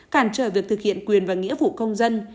cản trở việc thực hiện quyền và nghĩa vụ công dân